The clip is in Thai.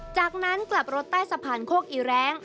จากนั้นกลับรถใต้สะพานโคกอีแรง